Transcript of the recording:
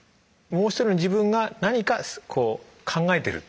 「もう１人の自分」が何かこう考えてる。